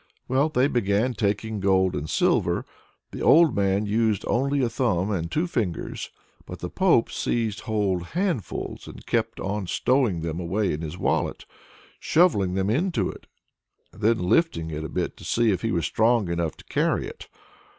Well, they began taking gold and silver. The old man used only a thumb and two fingers, but the Pope seized whole handfuls, and kept on stowing them away in his wallet shovelling them into it, and then lifting it a bit to see if he was strong enough to carry it.